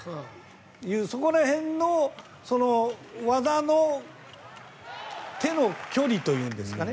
そこら辺のその技の手の距離というんですかね